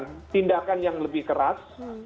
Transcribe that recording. melakukan tindakan yang lebih keras